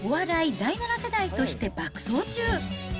第７世代として爆走中。